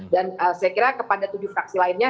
saya kira kepada tujuh fraksi lainnya